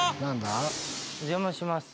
お邪魔します。